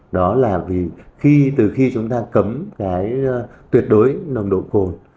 đó là vì khi từ khi chúng ta cấm cái tuyệt đối nồng độ cồn